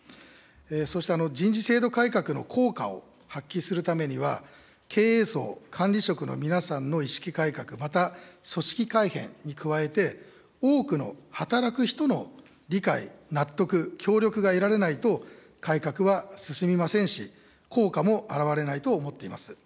そうした人事制度改革の効果を発揮するためには、経営層、管理職の皆さんの意識改革、また、組織改編に加えて、多くの働く人の理解、納得、協力が得られないと改革は進みませんし、効果もあらわれないと思っています。